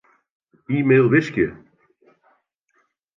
E-mail wiskje.